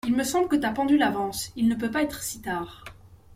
Il me semble que ta pendule avance ; il ne peut pas être si tard.